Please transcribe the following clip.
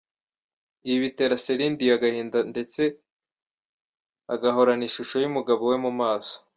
Ibi bitera Celine Dion agahinda ndetse agahorana ishusho y’umugabo we mu maso.